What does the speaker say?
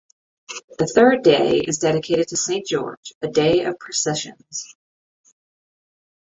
The third day is dedicated to St. George, a day of processions.